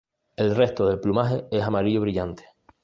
El resto del plumaje es amarillo brillante.